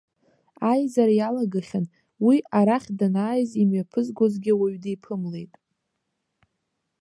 Аизара иалагахьан уи арахь данааиз, имҩаԥызгозгьы уаҩ диԥымлеит.